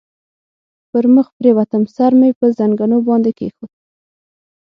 پر مخ پرېوتم، سر مې پر زنګنو باندې کېښود.